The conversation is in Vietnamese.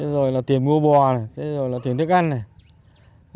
rồi là tiền mua bò này rồi là tiền thức ăn này